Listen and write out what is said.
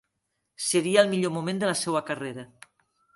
Seria el millor moment de la seua carrera.